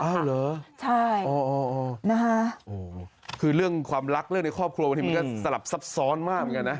อ้าวเหรอใช่คือเรื่องความรักในครอบครัวมันก็สลับซับซ้อนมาก